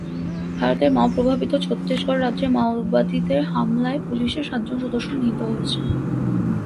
ভারতের মাও প্রভাবিত ছত্তিশগড় রাজ্যে মাওবাদীদের হামলায় পুলিশের সাতজন সদস্য নিহত হয়েছেন।